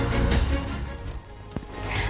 สนับสนุนโดยทีโพพิเศษถูกอนามัยสะอาดใสไร้คราบ